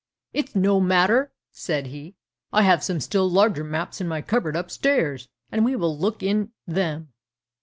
"It's no matter!" said he, "I have some still larger maps in my cupboard upstairs, and we will look in them."